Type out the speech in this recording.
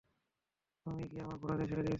তুমিই কি আমার ঘোড়াদের ছেড়ে দিয়েছিলে?